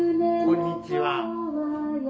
こんにちは。